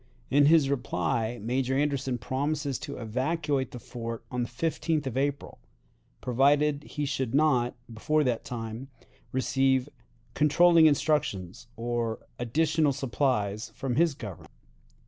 In his reply Major Anderson promises to evacuate the fort on the 15th of April, provided he should not, before that time, receive "controlling instructions" or "additional supplies" from his Government.